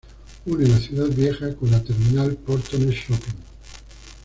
Une la Ciudad Vieja con la terminal Portones Shopping.